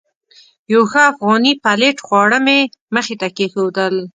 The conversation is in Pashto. یو ښه افغاني پلیټ خواړه مې مخې ته کېښودل.